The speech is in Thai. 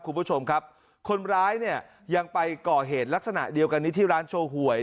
คุณผู้ชมครับคนร้ายเนี่ยยังไปก่อเหตุลักษณะเดียวกันนี้ที่ร้านโชว์หวย